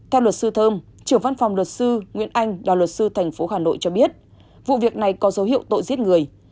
theo luật sư thơm trưởng văn phòng luật sư nguyễn anh đoàn luật sư tp hà nội cho biết vụ việc này có dấu hiệu tội giết người